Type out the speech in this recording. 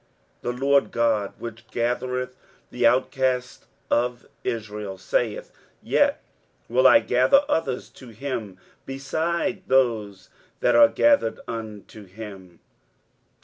23:056:008 The Lord GOD, which gathereth the outcasts of Israel saith, Yet will I gather others to him, beside those that are gathered unto him.